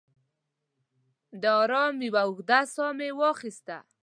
د ارام یوه اوږده ساه مې واخیسته.